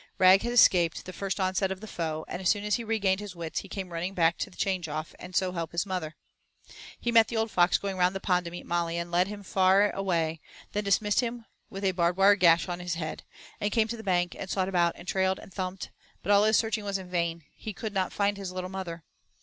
Rag had escaped the first onset of the foe, and as soon as he regained his wits he came running back to change off and so help his mother. He met the old fox going round the pond to meet Molly and led him far and away, then dismissed him with a barbed wire gash on his head, and came to the bank and sought about and trailed and thumped, but all his searching was in vain; he could not find his little mother.